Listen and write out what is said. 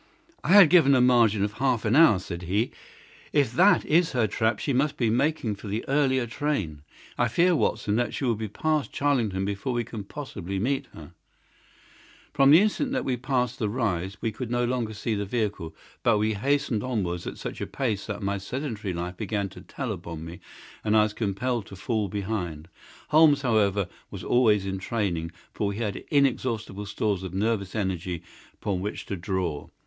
"I had given a margin of half an hour," said he. "If that is her trap she must be making for the earlier train. I fear, Watson, that she will be past Charlington before we can possibly meet her." From the instant that we passed the rise we could no longer see the vehicle, but we hastened onwards at such a pace that my sedentary life began to tell upon me, and I was compelled to fall behind. Holmes, however, was always in training, for he had inexhaustible stores of nervous energy upon which to draw.